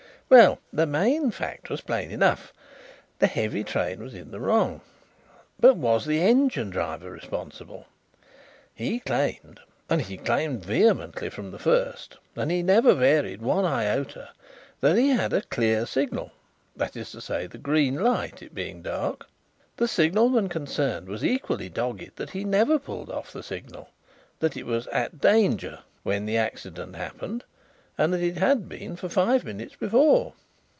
"Well, the main fact was plain enough. The heavy train was in the wrong. But was the engine driver responsible? He claimed, and he claimed vehemently from the first, and he never varied one iota, that he had a 'clear' signal that is to say, the green light, it being dark. The signalman concerned was equally dogged that he never pulled off the signal that it was at 'danger' when the accident happened and that it had been for five minutes before.